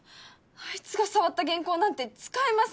あいつが触った原稿なんて使えません